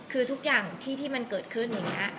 คือทุกอย่างที่มันเกิดขึ้นอย่างนี้